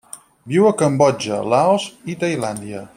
Viu a Cambodja, Laos i Tailàndia.